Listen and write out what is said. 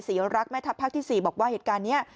รักแม่ทัพภาคที่๔บอกว่าเหตุการณ์นี้